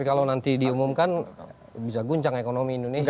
kalau nanti diumumkan bisa guncang ekonomi indonesia